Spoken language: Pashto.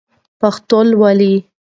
پښتو لولئ!